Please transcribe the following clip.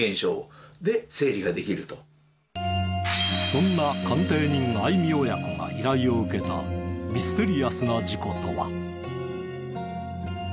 そんな鑑定人相見親子が依頼を受けたミステリアスな事故とは。